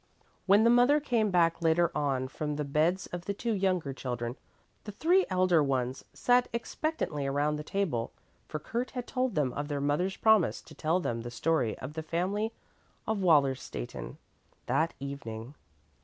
When the mother came back later on from the beds of the two younger children, the three elder ones sat expectantly around the table, for Kurt had told them of their mother's promise to tell them the story of the family of Wallerstätten that evening.